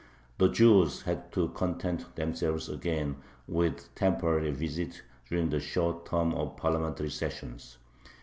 The Jews had to content themselves again with temporary visits during the short term of the parliamentary sessions.